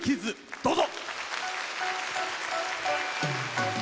どうぞ。